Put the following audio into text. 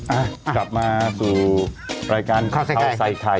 อ่ะกลับมาดูรายการขาวไซคัย